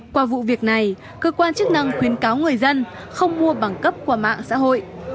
qua vụ việc này cơ quan chức năng khuyến cáo người dân không mua bằng cấp qua mạng xã hội